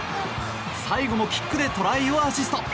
最後もキックでトライをアシスト。